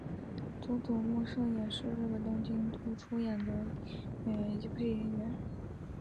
佐佐木胜彦是日本东京都出身的演员及配音员。